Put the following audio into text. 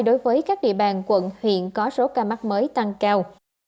đối với các địa bàn quận huyện có số ca mắc mới tăng cao